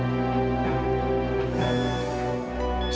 tidak punya niatan seperti itu